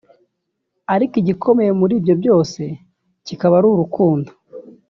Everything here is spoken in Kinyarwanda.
Ariko igikomeye muri byose kikaba ari urukundo